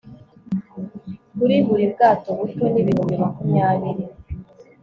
kuri buri bwato buto n' ibihumbi makumyabiri